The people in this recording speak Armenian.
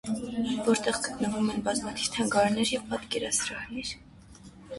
, որտեղ գտնվում են բազմաթիվ թանգարաններ և պատկերասրահներ։